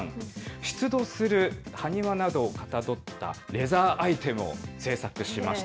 出土する埴輪などをかたどったレザーアイテムを制作しました。